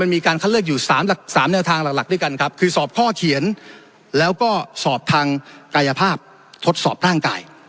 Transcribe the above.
มีการคัดเลือกอยู่๓แนวทางหลักด้วยกันครับคือสอบข้อเขียนแล้วก็สอบทางกายภาพทดสอบร่างกาย